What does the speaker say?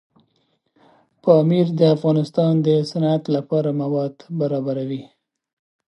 پامیر د افغانستان د صنعت لپاره مواد برابروي.